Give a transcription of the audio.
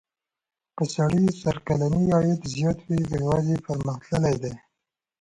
که سړي سر کلنی عاید زیات وي هېواد پرمختللی دی.